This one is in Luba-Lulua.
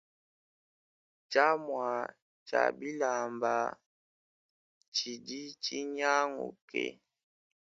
Tshiamua tshia bilamba tshidi tshinyanguke.